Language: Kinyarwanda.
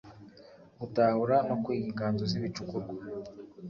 gutahura no kwiga inganzo z ibicukurwa